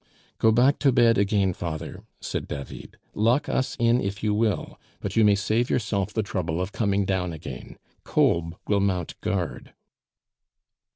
"Go back to bed again, father," said David; "lock us in if you will, but you may save yourself the trouble of coming down again. Kolb will mount guard."